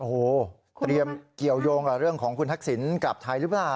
โอ้โหเตรียมเกี่ยวยงกับเรื่องของคุณทักษิณกลับไทยหรือเปล่า